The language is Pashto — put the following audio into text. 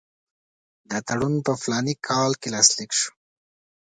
دا تړون په فلاني کال کې لاسلیک شو.